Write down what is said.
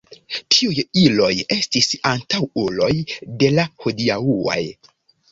Tiuj iloj estis antaŭuloj de la hodiaŭaj.